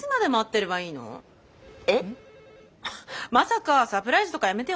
まさかサプライズとかやめてよね。